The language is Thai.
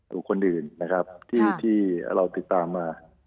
บุคคลอื่นนะครับที่เราติดตามมา